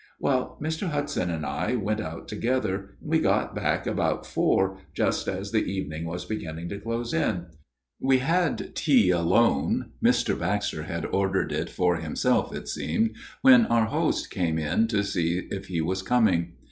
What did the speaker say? Well, Mr. Hudson and I went out together, and we got back about four, just as the evening was beginning to close in. We had tea alone ; Mr. Baxter had ordered it for himself, it seemed, when our host went in to see if he was coming.